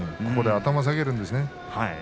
ここで頭を下げるんですね。